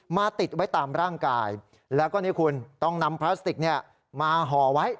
ติดไว้ตามร่างกายแล้วก็นี่คุณต้องนำพลาสติกมาห่อไว้